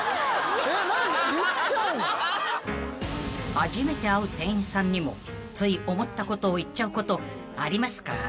［初めて会う店員さんにもつい思ったことを言っちゃうことありますか？］